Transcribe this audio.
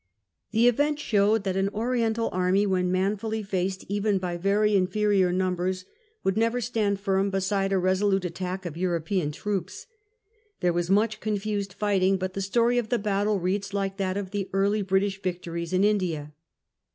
The event showed that an Oriental army when manfully faced, even by very inferior numbers, would never stand firm before a resolute attack of Euro pean troops. There was much confused fighting, but the story of the battle reads like that of the early British victories in India.